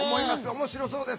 面白そうです。